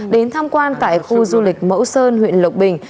đến tham quan tại khu du lịch mẫu sơn huyện lộc bình